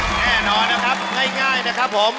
แน่นอนนะครับง่ายนะครับผม